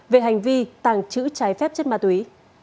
về hành vi tàng trữ trái phép chất ma túy